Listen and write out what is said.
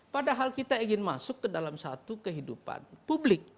padahal kita ingin masuk ke dalam satu kehidupan publik